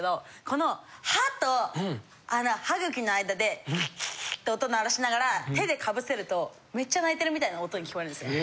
この歯とあの歯茎の間でズズズッって音鳴らしながら手でかぶせるとめっちゃ泣いてるみたいな音に聞こえるんですよ。